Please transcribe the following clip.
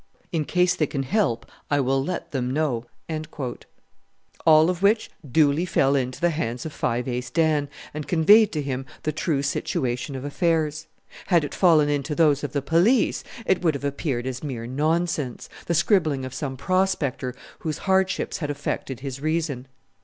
In case they can help, I will let them know." All of which duly fell into the hands of Five Ace Dan, and conveyed to him the true situation of affairs. Had it fallen into those of the police it would have appeared as mere nonsense the scribbling of some prospector whose hardships had affected his reason.